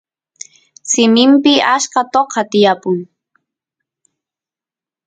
simimpi achka toqa tiyapun